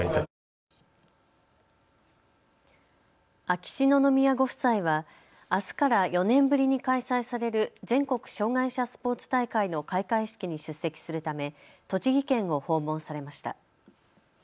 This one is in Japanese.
秋篠宮ご夫妻はあすから４年ぶりに開催される全国障害者スポーツ大会の開会式に出席するため栃木県を訪問されました。